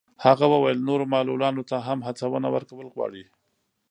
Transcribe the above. هغه وویل نورو معلولانو ته هم هڅونه ورکول غواړي.